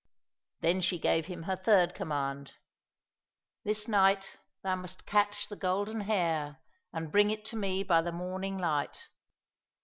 Then she gave him her third command. " This night thou must catch the golden hare, and bring it to me by the morning light."